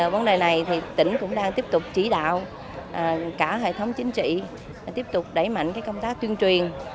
vấn đề này thì tỉnh cũng đang tiếp tục chỉ đạo cả hệ thống chính trị tiếp tục đẩy mạnh công tác tuyên truyền